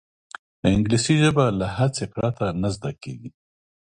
انګلیسي ژبه له هڅې پرته نه زده کېږي